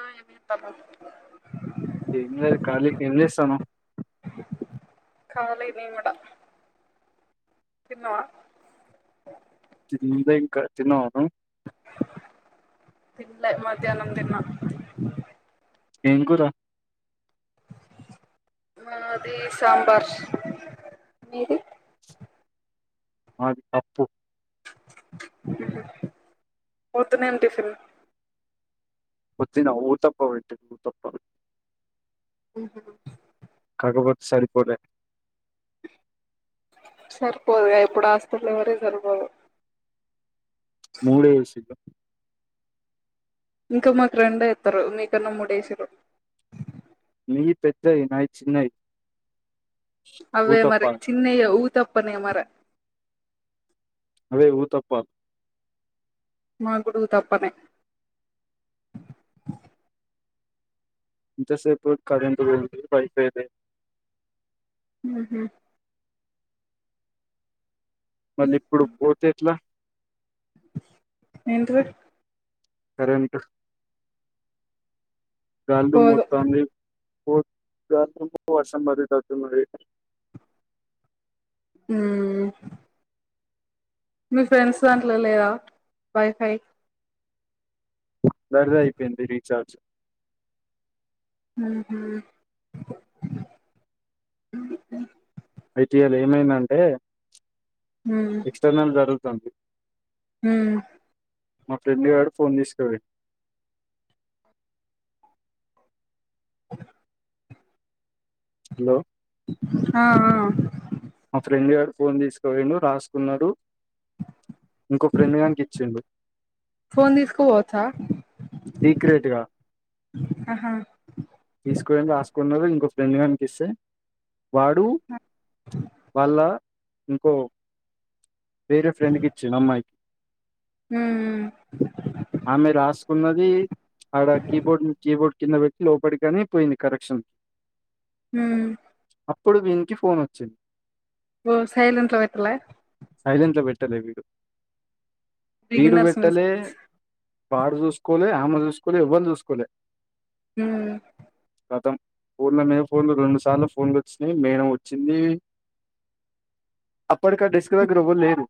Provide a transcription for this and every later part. ఆ ఏ చేస్తున్నావు? ఏం లేదు ఖాళీ. ఏం చేస్తాన్నావు? ఖాళీ నేను కూడా తిన్నావా? తినలే ఇంకా తిన్నావా నువ్వు? తినలే మధ్యాహ్నం తిన్నా. ఏం కూర మాది సాంబార్. మీది మాది పప్పు పొద్దున ఏం టిఫిన్? పొద్దున ఊతప్ప పెట్టినారు. ఊతప్ప అవునా కాకపొతే సరిపోలే సరిపోదే ఇప్పుడు హాస్పిటల్ ఎవరే సరిపోదు మూడే వేసినారు. ఇంకా మాకు రెండే వేస్తారు మీకన్నా మూడేసినారు మీవి పెద్దవి. నావి చిన్నవి. అవే మరి చిన్నవి ఊతప్పనే మరి అదే ఊతప్ప మా గూడ ఊతప్పనే ఇంతసేపు కరెంట్ పోయింది వైఫై లేదు. మ్ హు మళ్ళీ ఇప్పుడు పోతే ఎట్లా? ఏంటిది? కరెంట్ గాలి పోదు మోస్తాంది పోతాది. రాత్రంతా వర్షం పడేటట్టు ఉన్నది. మ్ మీ ఫ్రెండ్స్ దాంట్లో లేదా వైఫై వారిది అయిపోయింది రీఛార్జ్ మ్మ్ఉమ్మ్ అయితే ఇయ్యాల ఏమైందంటే ఉమ్మ్ ఎక్స్ట్రానల్ జరుగుతుంది ఉమ్ మా ఫ్రెండ్ గాడు ఫోన్ తీసుకుపోయి [inaudible] హలో ఆ ఆ మా ఫ్రెండ్ గారు ఫోన్ తీసుకుపోయిండు రాసుకున్నాడు ఇంకో ఫ్రెండ్ గానికి ఇచ్చిండు ఫోన్ తీసుకోపోవచ్చా సీక్రెట్‌గా ఆహా తీసుకొని రాసుకున్నారు ఇంకో ఫ్రెండ్ గానికి ఇస్తే వాడు వాళ్ళ ఇంకో వేరే ఫ్రెండ్‌కి ఇచ్చిండు అమ్మాయికి ఉమ్మ్ ఉమ్మ్ ఆమె రాసుకున్నది ఆడ కీబోర్డ్ కీబోర్డ్ కింద పె లోపడికని పోయింది కరెక్షన్ ఉమ్మ్ అప్పుడు వీనికి ఫోన్ వచ్చిం ఓ సైలెంట్లో పెట్టలే సైలెంట్లో పెట్టలే వీడు వీడు పెట్టలే వాడు చూసుకోలే ఆమె చూసుకోలే ఎవళు చూసుకోలే ఉమ్ కతం ఫోన్ల మీద ఫోన్లు రెండు సార్లు ఫోన్లు వచ్చినాయి మెడం వచ్చింది అప్పడక డస్క్ దగ్గర ఎవలేరు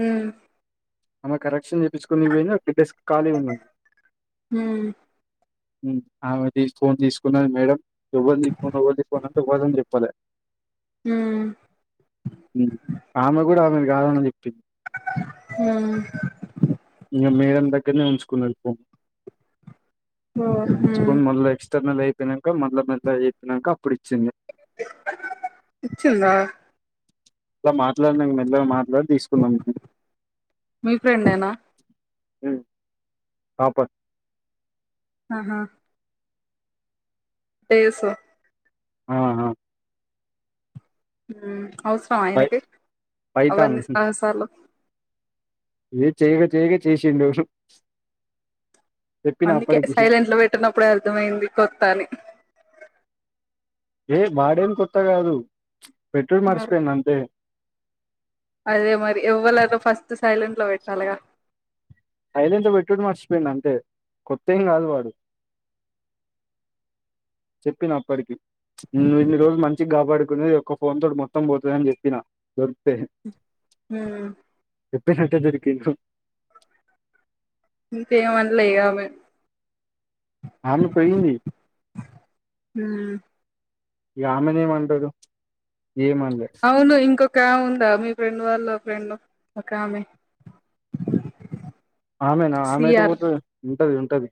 ఉమ్మ్ ఆమె కరెక్షన్ చేపిచుకున్నికి పోయింది అప్లిడిస్క్ ఖాళీ ఉని ఉమ్ ఉమ్ ఆమెది ఫోన్ తీసుకున్నాది మేడం ఎవన్ది ఫోన్ ఎవరిది ఫోన్ అంటే ఎవ్వరేం చెప్పలే ఉమ్ ఆమె కూడా ఆమెది కాదని చెప్పింది ఉమ్మ్ ఇంకా మేడం దగ్గర్నే ఉంచుకున్నది ఫోను ఓ మ్ ఉంచుకొని మళ్ళీ ఎక్స్ట్రానల్ అయిపోయినంక మల్ల మెల్లగా చెప్పినంక అప్పుడు ఇచ్చింది ఇచ్చిందా ఇట్లా మాట్లాడినాం మెల్లగా మాట్లాడి తీసుకున్నాం మీ ఫ్రెండేనా ఆ టప ఆహా టే సో ఆహా ఉమ్మ్ అవసరమా పై- ఆయనకి పైథాన్ అవన్నీ సాహసాలు ఏదో చెయ్యక చెయ్యక చేసిండు చెప్పిన అందుకే అప్పటికి సైలెంట్లో పెట్టనప్పుడే అర్థమైంది కొత్త అని ఏ వాడేమి కొత్త కాదు పెట్టడం మరి మర్చిపోయింది అంతే అదే మరి ఎవ్వలేరు ఫస్ట్ సైలెంట్ లో పెట్టాలిగా సైలెంట్లోపెట్టుడు మర్చిపోయ అంతే కొత్త ఏం కాదు వాడు చెప్పిన అప్పటికి నువు ఇన్ని రోజులు మంచికి కాపాడుకునే ఒక ఫోన్ తోటి మొత్తం పోతదని చెప్పిన దొరికిపోయింది ఉ చెప్పినట్టే దొరికిండు ఇంకేమని లేగామె ఆమె పోయింది మ్ [inaudible] ఇక ఆమెనే ఏమంటాడు ఏమనలే అవును ఇంకా కా ఉందా మీ ఫ్రెండ్ వాళ్ళు ఫ్రెండ్ ఒకామె ఆమెనా ఆమె ఎటు పోతది ఉంటది ఉంటది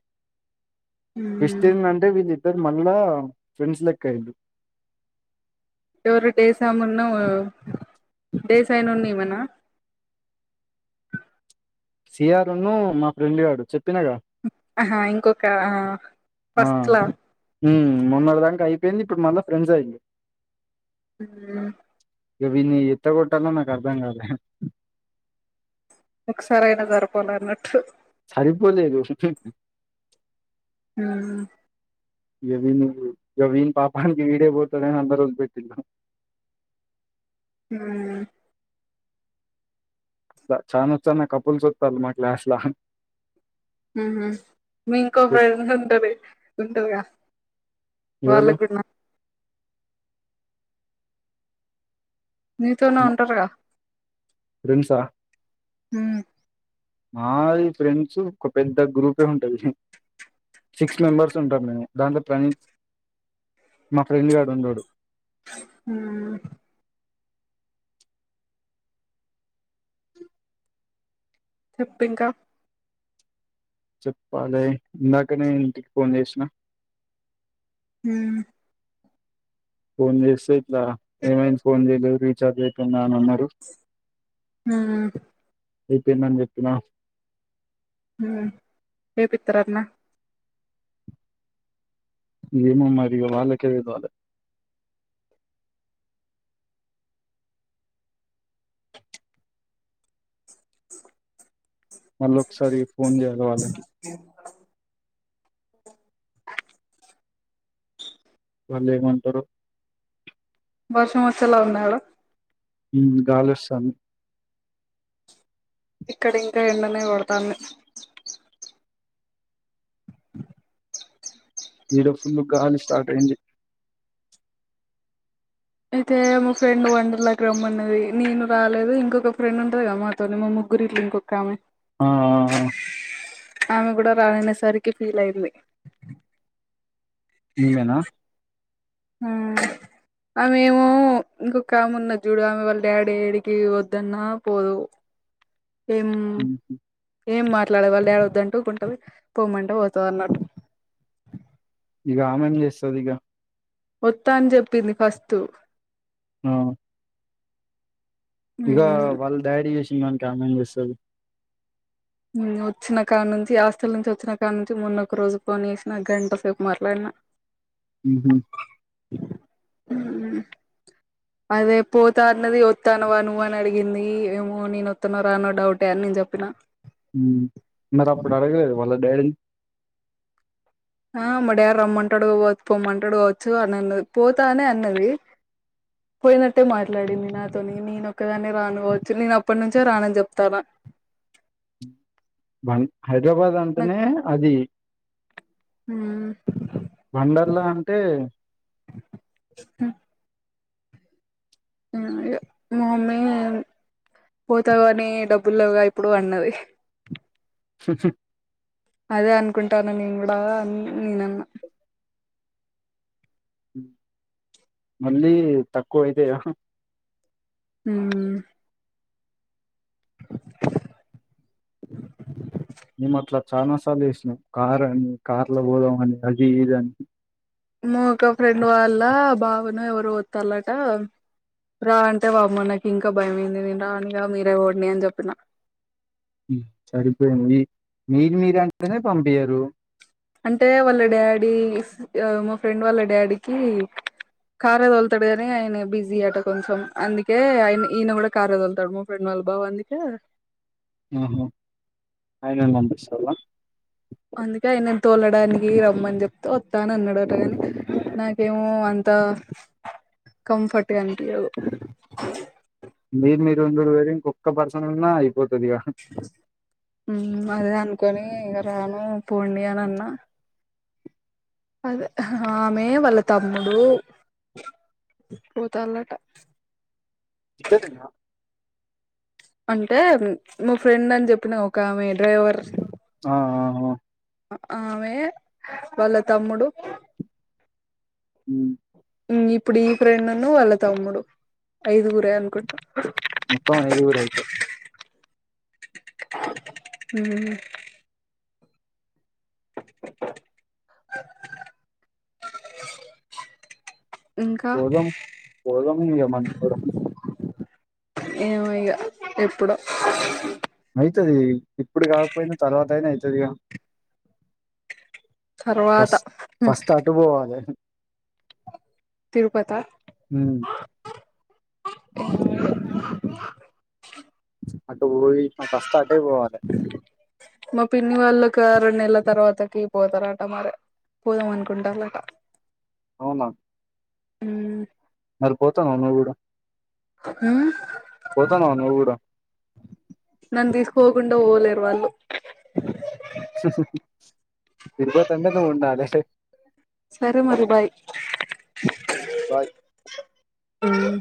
ట్విస్ట్ మ్ ఏందంటే విళి స మళ్ళా ఫ్రెండ్స్ లెక్కయింది ఎవరు డేసమున్న డేసాయి ను ఉన్న ఇమనా సీఆరును మా ఫ్రెండ్ గాడు చెప్పినాగా ఆహా ఇంకొక ఫస్ట్ లా ఉ మెన్నటి దాక అయిపోయింది ఇప్పుడు మళ్ళీ ఫ్రెండ్స్ అయింది ఉ ఇగ విన్ని ఎట్ట కొట్టాలో నాకు అర్థం కాట్లె ఒకసారి అయినా జరపాల అన్నట్టు సరిపోలేదు ఉ గవీన్ గవీన్ పాపానికి వీడే పోతాడని అందరూ వదిలి పెట్టిండు ఉ చాలా చానా కపుల్స్ వస్తారు అనమాట లాస్ట్ లో ఉహు మీ ఇంకో ఫ్రెండ్ ఉంటది ఉంటుంది గా ఎవలు వాళ్ళకు నీతోనే ఉంటారుగా ప్రిన్సా ఉ మాది ఫ్రెండ్స్ ఒక పెద్ద గ్రూపే ఉంటది హ సిక్స్ మెంబర్స్ ఉంటారు నేను దాంట్లో ప్రణీ మా ఫ్రెండ్ గాడు ఉండడు ఉ చెప్పు ఇంక చెప్పాలి ఇందాక నే ఇంటికి ఫోన్ చేసిన ఉ ఫోన్ చేస్తే ఇట్లా ఏమై ఫోన్ చేయలే రీఛార్జ్ అయిపోయిందా అని అన్నారు ఉ అయిపోయిందని చెప్పిన హ ఏపిత్రట్న ఏమో మరి ఇక వాళ్లకే తెలవాలే మళ్ళ ఒకసారి ఫోన్ చేయ్యాలి వాళ్ళకి అ వాళ్లేమంటారు వర్షం వచ్చేలా ఉందా ఆడ ఉమ్ గాలి వస్తాంది ఇక్కడ ఇంక ఎండనే కొడతాంది. మీరు ఫుల్ గాలి స్టార్ట్ అయింది అయితే మా ఫ్రెండ్ వండర్లాకి రమ్మన్నది, నేను రాలేదు ఇంకొక ఫ్రెండ్ ఉంటది కద మా తొని మా ముగ్గురిట్ల కింకొక్కామె ఆ ఆమె గుడ రాననేసరికి ఫీల్ అయింది. ఈమెన ఉమ్ ఆమెమో ఇంకొక ఆమున్నది జూడు ఆమె వాళ్ళ డాడీ ఏడికి పోవద్దన్న పోదు. [inaudible] ఏం ఏం మాట్లాడడి వాళ్ళ డాడీ వద్దంటె ఊకుంటది, పోమంటే పోతది అన్నట్టు. ఇగ ఆమెం చేస్తది ఇగ వత్తా అని చెప్పింది ఫస్టు ఉమ్ ఇగ వాళ్ళ డాడి చేసింమంటాండు ఆమెమ్ చేస్తది వచ్చిన కాన్నుంచి హాస్టల్ నుంచి వచ్చిన కాన్నుంచి మన్నొక రోజు ఫోన్ చేసిన గంటసేపు మాట్లాడిన ఉహు ఉమ్ అదే పోతా అన్నది వత్తాన్నవా నువ్వు అని అడిగింది, ఏమో నేను వత్తనో రానో డౌటే అని నేను చెప్పిన. ఉమ్ మరి అప్పుడు అడగలేద వాళ్ళ డాడీని? ఆ మా డాడీ రమ్మంటడు వ పొమ్మంటాడు వచ్చుగా అని అన్నది పోతానే అన్నది. అ పోయినట్టే మాట్లాడింది నాతోని, నేనొక్కదానే కావచ్చు నేను అప్పటినుంచే రానని చెప్తానా. బం హైదరాబాద్ నాకు అంటెనే అది వండర్లా అంటే ఉమ్ మా మమ్మీ పోతవానే డబ్బులుగా లెవ్వుగా ఇప్పుడు అన్నది శక్షి అదే అనుకుంటాన్నా నేను గుడ అని నేనన్న మళ్ళీ తక్కువ ఐతదే ఉమ్ నేనట్ల చానా సార్లు ఏసిన కార్ అని కార్ లో పోదాం అని, అది ఇదని మా ఒక ఫ్రెండ్ వాళ్ళ బావనో ఎవరో పోతాల్లట రా అంటే వామ్మో నాకు ఇంకా భయమయిందే నేను రానిగ మీరే పోండి అని జెప్పిన. ఉమ్ సరిపోయింది మీది మీరంటేనే పంపీయరు అంటే వాళ్ళ డాడీ ఫ్ ఆ మా ఫ్రెండ్ వాళ్ళ డాడీకి కారె తొలుతడు గని ఆయన బిజీ అట కొంచెం, అందుకే ఆయి ఈనే గుడ కారే తోలుతడు. రెనువల్ బావ అందుకే ఉహు ఆయనను బంబిస్తవా అందుకే ఆయనను తోలడానికి రమ్మని జెప్తే వత్తానన్నాడట గని నాకేమో అంతా కంఫర్ట్ గా అనిపియ్యదూ మీది మీరు ఉండుడు వేరు, ఇంకొక్క పర్సన్ ఉన్నా అయిపోతది ఇగ ఉమ్ అదే అనుకొని ఇగ రాను పోండి అని అన్నా. అదే ఆమె వాళ్ళ తమ్ముడు పోతాందట. ఇప్పడే తిన్నా అంటే మా ఫ్రెండ్ అని చెప్పిన ఒక మీ డ్రైవర్ ఆ ఆ, ఆ. ఆమె వాళ్ళ తమ్ముడు ఉమ్, ఇప్పుడు ఈ ఫ్రెండ్ను వాళ్ళ తమ్ముడు ఐదుగురే అనుకుంటా మొత్తం ఐదూగురు అయితే ఉ ఇంకా పోదాం పోదాం ఇగ మన ఇద్దరమే ఏమోయిగ ఎప్పుడో అయితాది. ఇప్పుడు కాకపోయినా తర్వాత అయినా అయితాది గా తర్వాత ఫస్ ఫస్ట్ అటు పోవాలి. తిరుపతా మ్ అటు పోయి ఫస్ట్ అటే పోవాలి. మా పిన్ని వాళ్ళకి రెండు నెలల తర్వాతకి పోతారట మరి. పోదాం అనుకుంటాందట. అవునా మరిపోతాన్నావు నువ్వు కూడా అ హ్ ఆ పోతాన్నావా నువ్వు కూడా నన్ను తీసుకపోకుండా పోలేరు వాళ్ళు హ్ హి హి ఇరువత్ అంటే గ ఉన్నాలే సే సరే మరి బాయ్. బాయ్ మ్